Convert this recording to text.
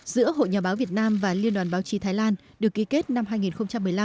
giữa hội nhà báo việt nam và liên đoàn báo chí thái lan được ký kết năm hai nghìn một mươi năm